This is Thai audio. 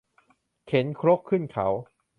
เข็นครกขึ้นเขา